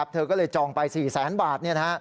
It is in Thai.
เธอก็เลยจองไป๔๐๐๐๐๐บาท